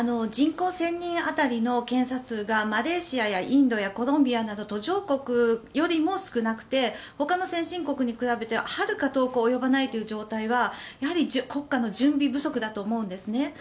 人口１０００人当たりの検査数がマレーシアやインドやコロンビアなどの途上国よりも少なくてほかの先進国に比べてはるか遠く及ばないという状態がやはり国家の準備不足だと思うんですね。